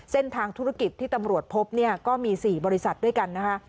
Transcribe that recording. เส้นทางธุรกิจที่ตำรวจพบเนี่ยก็มี๔บริษัทด้วยกันนะคะ